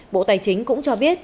bộ tài chính cũng cho biết